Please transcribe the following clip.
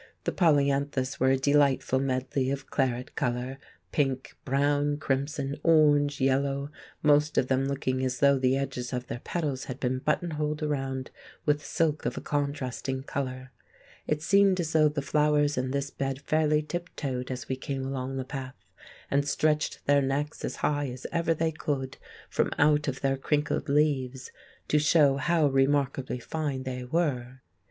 The polyanthus were a delightful medley of claret colour, pink, brown, crimson, orange, yellow, most of them looking as though the edges of the petals had been buttonholed around with silk of a contrasting colour. It seemed as though the flowers in this bed fairly tip toed as we came along the path, and stretched their necks as high as ever they could, from out of their crinkled leaves, to show how remarkably fine they were.